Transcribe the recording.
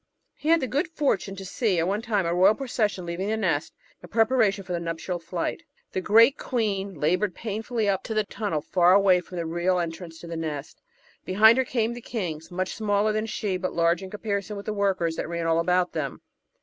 He had the good fortune to see, at one time, a royal procession leaving the nest in prepara tion for the nuptial flight. The great queen laboured painfully up to the tunnel far away from the real entrance to the nest. Behind her came the kings, much smaUer than she, but large in comparison with the workers that ran all about them.